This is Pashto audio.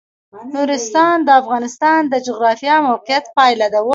نورستان د افغانستان د جغرافیایي موقیعت پایله ده.